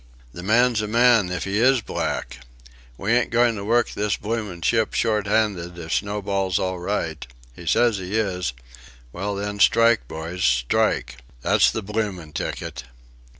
"The man's a man if he is black." "We ain't goin' to work this bloomin' ship shorthanded if Snowball's all right..." "He says he is." "Well then, strike, boys, strike!" "That's the bloomin' ticket."